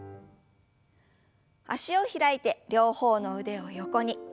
脚を開いて両方の腕を横に。